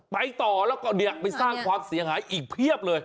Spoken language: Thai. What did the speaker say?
ไปต่อแล้วก็เนี่ยไปสร้างความเสียหายอีกเพียบเลย